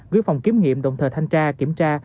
gửi phòng kiểm nghiệm đồng thời thanh tra kiểm tra